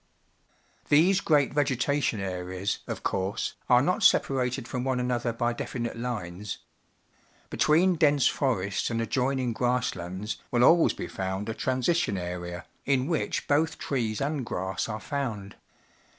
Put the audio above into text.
These great vegetation areas, of course, are not separated from one another by definite lines. Between dense forests and A Specimen of Timber, British Columbia adjoining grass lands will always be found a transition area, in which both trees and grass are found.